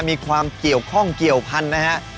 มีความเกี่ยวข้องเกี่ยวพันธุ์นะฮะ